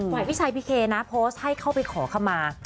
หวังพี่ชายพีเคนะโพสต์ให้เข้าไปขอเข้ามา